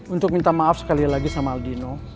untuk minta maaf sekali lagi sama aldino